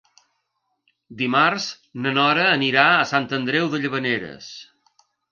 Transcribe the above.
Dimarts na Nora anirà a Sant Andreu de Llavaneres.